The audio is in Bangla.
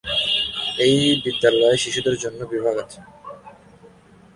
এই বিদ্যালয়ে শিশুদের জন্য বিভাগ আছে।